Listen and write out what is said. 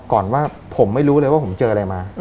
ก่อนว่าผมไม่รู้เลยว่าผมเจออะไรมา